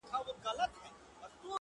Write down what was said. څه به وسي دا یوه که پکښي زما سي,